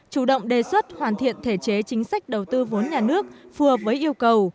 chủ động đề xuất hoàn thiện thể chế chính sách đầu tư vốn nhà nước phù hợp với yêu cầu